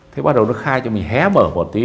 thế bắt đầu nó khai cho mình hé mở một tí